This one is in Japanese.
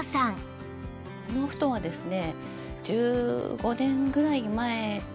このお布団はですね